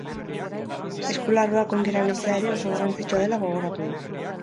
Eskularruak ongi erabiltzea ere oso garrantzitsua dela gogoratu du.